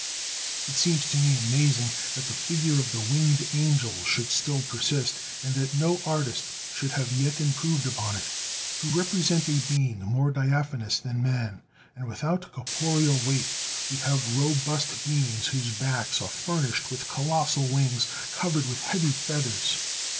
It seems to me amazing that the figure of the winged angel should still persist, and that no artist should have yet improved upon it. To represent a being more diaphanous than man, and without corporeal weight, we have robust beings whose backs are furnished with colossal wings covered with heavy feathers.